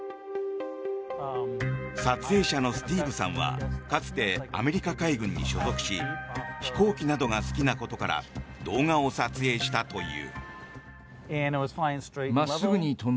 撮影者のスティーブさんはかつてアメリカ海軍に所属し飛行機などが好きなことから動画を撮影したという。